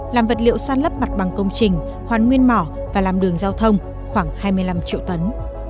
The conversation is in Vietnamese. làm vật liệu san lấp mặt bằng công trình hoàn nguyên mỏ và làm đường giao thông khoảng hai mươi năm triệu tấn